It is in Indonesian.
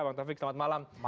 bang taufik selamat malam